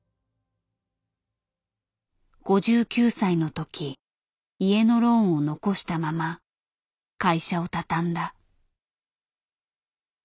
５９歳の時家のローンを残したまま会社を畳んだ。